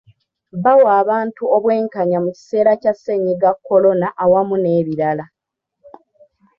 Bawa abantu obwenkanya mu kiseera kya ssennyiga korona awamu n'ebirala.